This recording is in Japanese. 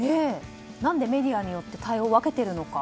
何でメディアによって対応を分けているのか。